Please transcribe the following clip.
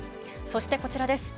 そしてこちらです。